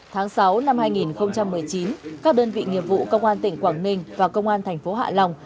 tháng sáu năm hai nghìn một mươi chín các đơn vị nghiệp vụ công an tỉnh quảng ninh và công an thành phố hạ long